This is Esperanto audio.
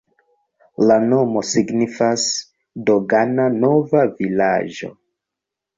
La nomo signifas: dogana-nova-vilaĝo.